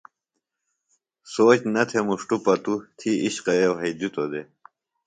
سوچ نہ تھےۡ مُݜٹوۡ پتوۡ تھی اِشقوے وھئدِتوۡ دےۡ۔